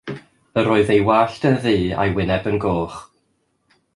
Yr oedd ei wallt yn ddu a'i wyneb yn goch.